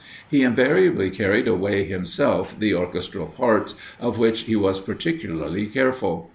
He invariably carried away himself the orchestral parts, of which he was particularly careful.